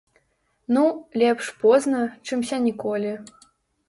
Ну, лепш позна, чымся ніколі.